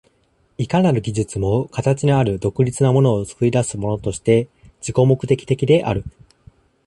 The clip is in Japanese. いかなる技術も形のある独立なものを作り出すものとして自己目的的である。